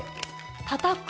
たたく？